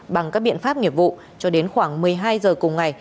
bằng các biện pháp nghiệp vụ cho đến khoảng một mươi hai giờ cùng ngày